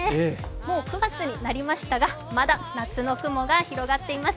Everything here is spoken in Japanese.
もう９月になりましたが、まだ夏の雲が広がっています。